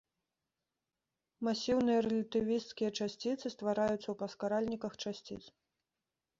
Масіўныя рэлятывісцкія часціцы ствараюцца ў паскаральніках часціц.